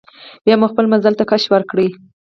بیا مو خپل مزل ته کش ورکړ.